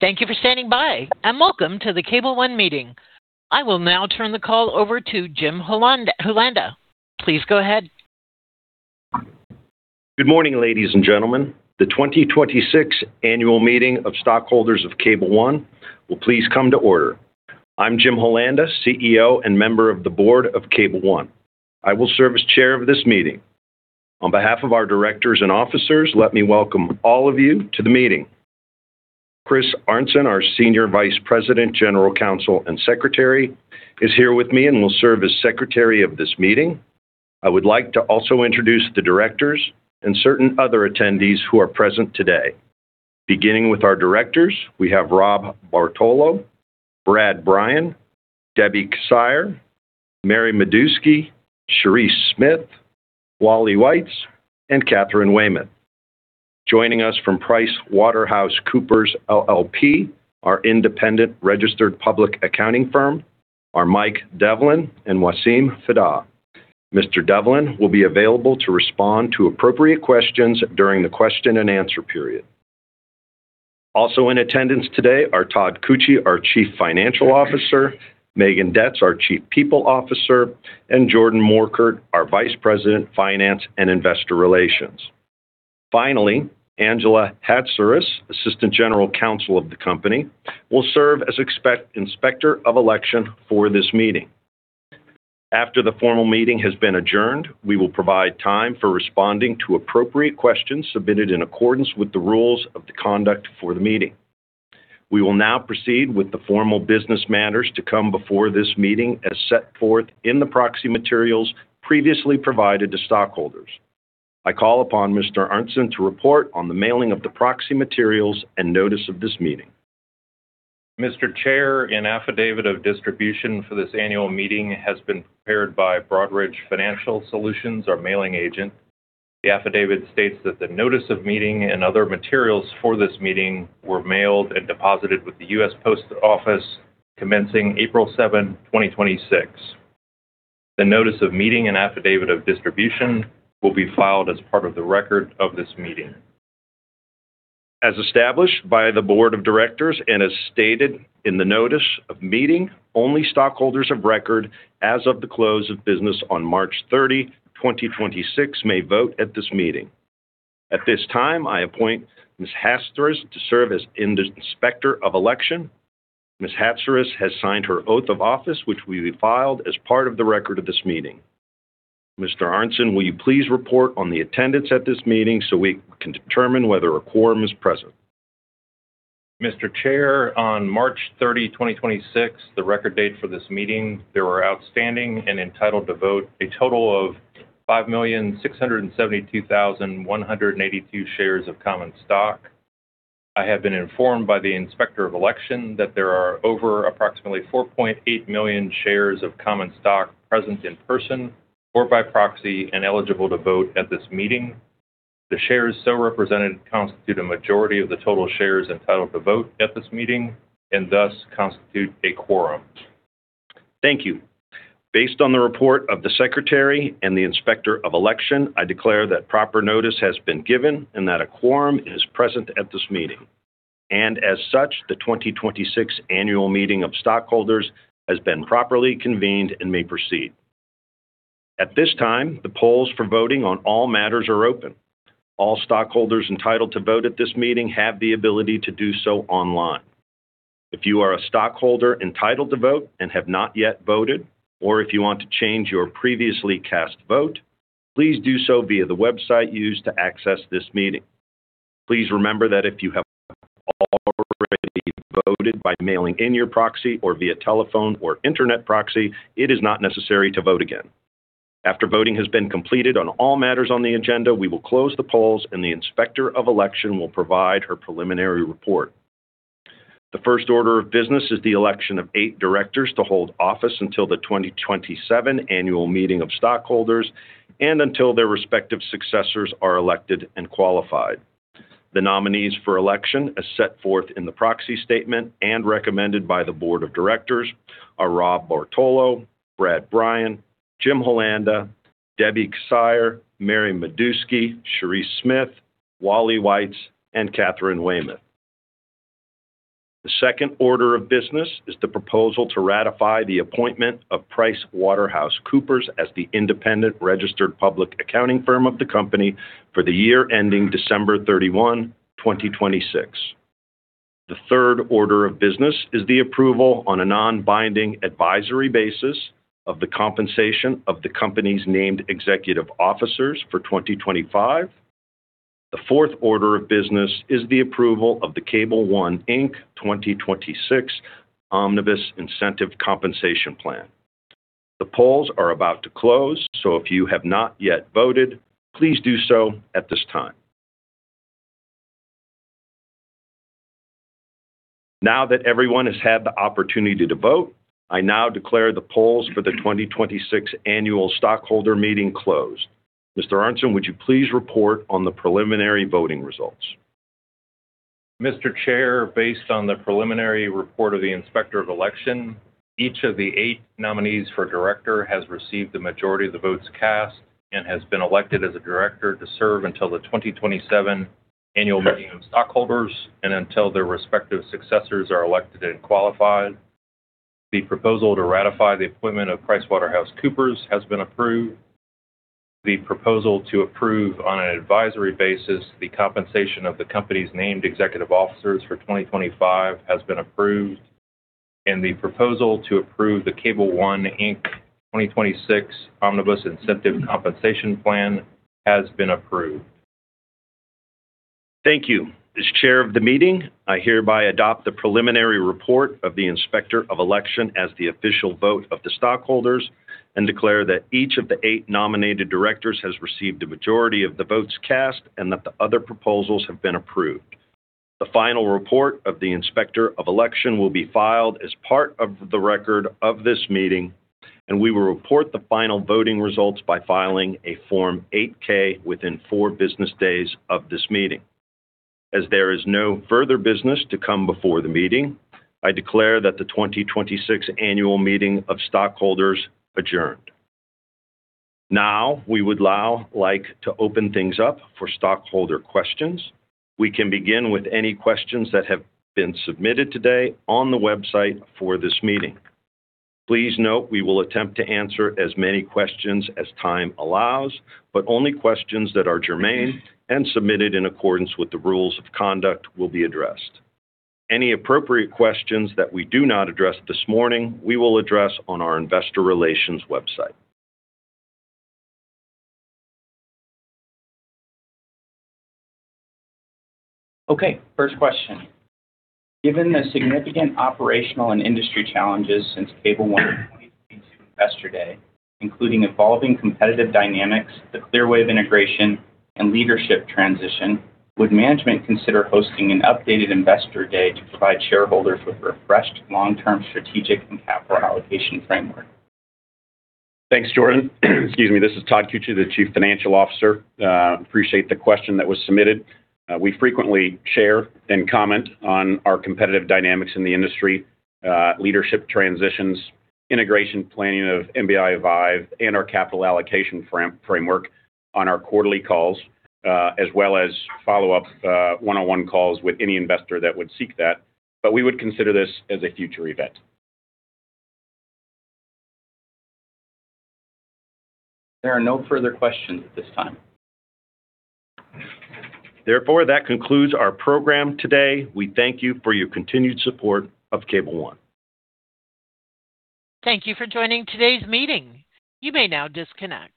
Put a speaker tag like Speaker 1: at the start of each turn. Speaker 1: Thank you for standing by, and welcome to the Cable One meeting. I will now turn the call over to Jim Holanda. Please go ahead.
Speaker 2: Good morning, ladies and gentlemen. The 2026 annual meeting of stockholders of Cable One will please come to order. I'm Jim Holanda, CEO and member of the board of Cable One. I will serve as chair of this meeting. On behalf of our directors and officers, let me welcome all of you to the meeting. Chris Arntzen, our Senior Vice President, General Counsel, and Secretary, is here with me and will serve as secretary of this meeting. I would like to also introduce the directors and certain other attendees who are present today. Beginning with our directors, we have P. Robert Bartolo, Brad D. Brian, Deborah J. Kissire, Mary E. Meduski, Sherrese M. Smith, Wallace R. Weitz, and Katharine B. Weymouth. Joining us from PricewaterhouseCoopers LLP, our independent registered public accounting firm, are Mike Devlin and Wasim Fida. Mr. Devlin will be available to respond to appropriate questions during the question-and-answer period. Also in attendance today are Todd M. Koetje, our Chief Financial Officer, Megan M. Detz, our Chief People Officer, and Jordan Morkert, our Vice President, Finance and Investor Relations. Angela Hatziris, Assistant General Counsel of the company, will serve as inspector of election for this meeting. After the formal meeting has been adjourned, we will provide time for responding to appropriate questions submitted in accordance with the rules of the conduct for the meeting. We will now proceed with the formal business matters to come before this meeting as set forth in the proxy materials previously provided to stockholders. I call upon Mr. Arntzen to report on the mailing of the proxy materials and notice of this meeting.
Speaker 3: Mr. Chair, an affidavit of distribution for this annual meeting has been prepared by Broadridge Financial Solutions, our mailing agent. The affidavit states that the notice of meeting and other materials for this meeting were mailed and deposited with the U.S. Post Office commencing April 7, 2026. The notice of meeting and affidavit of distribution will be filed as part of the record of this meeting.
Speaker 2: As established by the Board of Directors and as stated in the notice of meeting, only stockholders of record as of the close of business on March 30, 2026 may vote at this meeting. At this time, I appoint Ms. Hatziris to serve as the inspector of election. Ms. Hatziris has signed her oath of office, which we filed as part of the record of this meeting. Mr. Arntzen, will you please report on the attendance at this meeting so we can determine whether a quorum is present?
Speaker 3: Mr. Chair, on March 30, 2026, the record date for this meeting, there were outstanding and entitled to vote a total of 5,672,182 shares of common stock. I have been informed by the inspector of election that there are over approximately 4.8 million shares of common stock present in person or by proxy and eligible to vote at this meeting. The shares so represented constitute a majority of the total shares entitled to vote at this meeting and thus constitute a quorum.
Speaker 2: Thank you. Based on the report of the secretary and the inspector of election, I declare that proper notice has been given and that a quorum is present at this meeting. As such, the 2026 annual meeting of stockholders has been properly convened and may proceed. At this time, the polls for voting on all matters are open. All stockholders entitled to vote at this meeting have the ability to do so online. If you are a stockholder entitled to vote and have not yet voted, or if you want to change your previously cast vote, please do so via the website used to access this meeting. Please remember that if you have already voted by mailing in your proxy or via telephone or internet proxy, it is not necessary to vote again. After voting has been completed on all matters on the agenda, we will close the polls and the inspector of election will provide her preliminary report. The first order of business is the election of eight directors to hold office until the 2027 annual meeting of stockholders and until their respective successors are elected and qualified. The nominees for election, as set forth in the proxy statement and recommended by the board of directors, are Rob Bartolo, Brad Brian, Jim Hollanda, Debbie Kissire, Mary Meduski, Sherrese Smith, Wally Weitz, and Katharine Weymouth. The second order of business is the proposal to ratify the appointment of PricewaterhouseCoopers as the independent registered public accounting firm of the company for the year ending December 31, 2026. The third order of business is the approval on a non-binding advisory basis of the compensation of the company's named executive officers for 2025. The fourth order of business is the approval of the Cable One, Inc. 2026 Omnibus Incentive Compensation Plan. The polls are about to close, so if you have not yet voted, please do so at this time. Now that everyone has had the opportunity to vote, I now declare the polls for the 2026 annual stockholder meeting closed. Mr. Arntzen, would you please report on the preliminary voting results?
Speaker 3: Mr. Chair, based on the preliminary report of the inspector of election. Each of the eight nominees for director has received the majority of the votes cast and has been elected as a director to serve until the 2027 annual meeting of stockholders and until their respective successors are elected and qualified. The proposal to ratify the appointment of PricewaterhouseCoopers has been approved. The proposal to approve on an advisory basis the compensation of the company's named executive officers for 2025 has been approved. The proposal to approve the Cable One, Inc. 2026 Omnibus Incentive Compensation Plan has been approved.
Speaker 2: Thank you. As chair of the meeting, I hereby adopt the preliminary report of the Inspector of Election as the official vote of the stockholders and declare that each of the eight nominated directors has received a majority of the votes cast and that the other proposals have been approved. The final report of the Inspector of Election will be filed as part of the record of this meeting. We will report the final voting results by filing a Form 8-K within four business days of this meeting. As there is no further business to come before the meeting, I declare that the 2026 annual meeting of stockholders adjourned. Now, we would now like to open things up for stockholder questions. We can begin with any questions that have been submitted today on the website for this meeting. Please note we will attempt to answer as many questions as time allows, but only questions that are germane and submitted in accordance with the rules of conduct will be addressed. Any appropriate questions that we do not address this morning, we will address on our investor relations website.
Speaker 4: Okay, first question. Given the significant operational and industry challenges since Cable One 2022 Investor Day, including evolving competitive dynamics, the Clearwave integration, and leadership transition, would management consider hosting an updated Investor Day to provide shareholders with refreshed long-term strategic and capital allocation framework?
Speaker 5: Thanks, Jordan. Excuse me. This is Todd Koetje, the Chief Financial Officer. Appreciate the question that was submitted. We frequently share and comment on our competitive dynamics in the industry, leadership transitions, integration planning of MBI Vyve, and our capital allocation framework on our quarterly calls, as well as follow-up, one-on-one calls with any investor that would seek that. We would consider this as a future event.
Speaker 4: There are no further questions at this time.
Speaker 2: That concludes our program today. We thank you for your continued support of Cable One.
Speaker 1: Thank you for joining today's meeting. You may now disconnect.